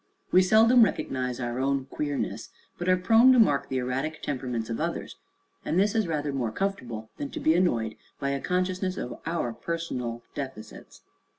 We seldom recognize our own queerness, but are prone to mark the erratic temperaments of others, and this is rather more comfortable than to be annoyed by a consciousness of our personal deficits.